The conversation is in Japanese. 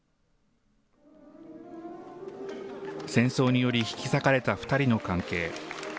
戦争により、引き裂かれた２人の関係。